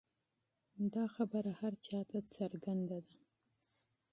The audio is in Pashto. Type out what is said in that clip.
دا خبره هر چا ته څرګنده ده.